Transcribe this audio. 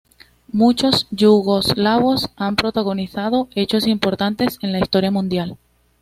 Muchos yugoslavos han protagonizado hechos importantes en la historia mundial.